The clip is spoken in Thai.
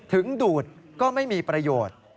ดูดก็ไม่มีประโยชน์